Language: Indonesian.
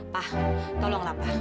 pak tolonglah pak